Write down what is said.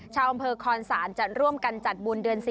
ชาวแผ่งบนบนคอนแสนจะร่วมกันจัดบุญเดือน๔